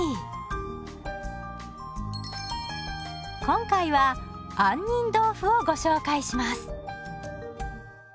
今回は杏仁豆腐をご紹介します。